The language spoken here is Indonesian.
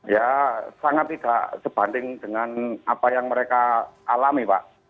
ya sangat tidak sebanding dengan apa yang mereka alami pak